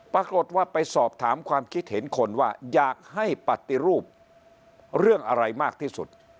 ปรากฏว่าไปสอบถามความคิดเห็นคนว่าอยากให้ปฏิรูปเรื่องอะไรมากที่สุด